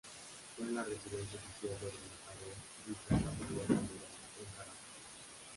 Fue en la residencia oficial del Embajador Luis Santa María Calderón, en Caracas.